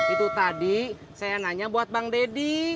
itu tadi saya nanya buat bang deddy